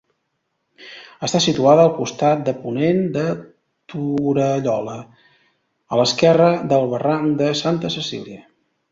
Està situada al costat de ponent de Torallola, a l'esquerra del barranc de Santa Cecília.